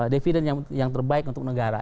dividen yang terbaik untuk negara